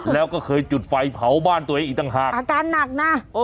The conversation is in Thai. แล้วก็เคยจุดไฟเผาบ้านตัวเองอีกต่างหากอาการหนักนะ